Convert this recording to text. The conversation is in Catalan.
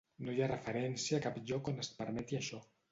No hi ha referència a cap lloc on es permeti això.